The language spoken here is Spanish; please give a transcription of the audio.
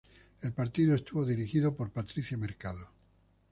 El partido estuvo dirigido por Patricia Mercado.